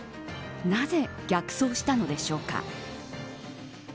なぜ逆走したのでしょうか。